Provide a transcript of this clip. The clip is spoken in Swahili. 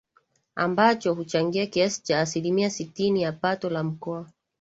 ambacho huchangia kiasi cha asilimia sitini ya pato la Mkoa